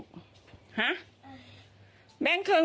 คนละครึ่งอะ